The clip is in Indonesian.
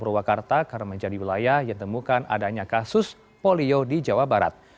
purwakarta karena menjadi wilayah yang temukan adanya kasus polio di jawa barat